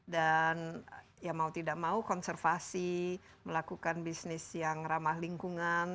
ya mau tidak mau konservasi melakukan bisnis yang ramah lingkungan